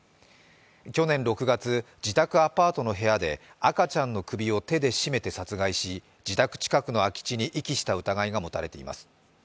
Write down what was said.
去年６月、自宅アパートの部屋で赤ちゃんの首を手で絞めて殺害し自宅近くの空き地に遺棄した疑いが持たれています。